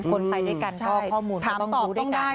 คนไปด้วยกันก็ข้อมูลก็ต้องรู้ด้วยกัน